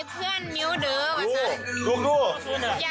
คือมีแต่ผู้ชายแท้